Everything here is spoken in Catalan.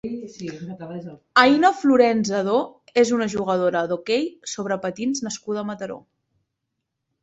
Aina Florenza Edo és una jugadora d'hoquei sobre patins nascuda a Mataró.